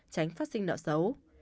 tránh phát sinh nợ xấu